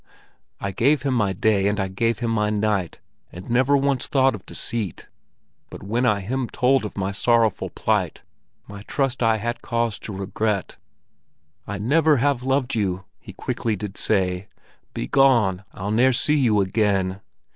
I gave him my day and I gave him my night, And never once thought of deceit; But when I him told of my sorrowful plight, My trust I had cause to regret. 'I never have loved you,' he quickly did say; 'Begone! I'll ne'er see you again!